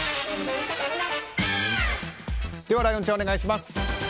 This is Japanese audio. ライオンちゃん、お願いします。